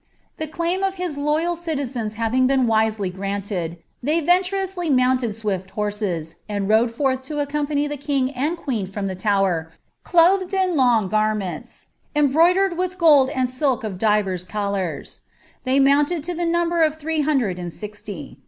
The claim of his loyal citizens having been wisely granted, ther n^ turousty mounted swift hones, and rode forth to accompany tlia kill and queen from the Tower, clothed in long gartnents, embroidertd wiifc gold and silk of divers colours. They amounted to the number of thw hundred and sixty.